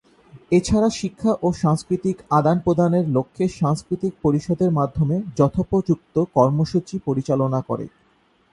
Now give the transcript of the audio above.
এছাড়া শিক্ষা ও সাংস্কৃতিক আদান-প্রদানের লক্ষ্যে সাংস্কৃতিক পরিষদের মাধ্যমে যথোপযুক্ত কর্মসূচী পরিচালনা করে।